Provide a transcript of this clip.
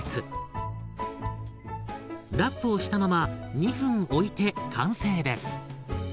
ラップをしたまま２分おいて完成です。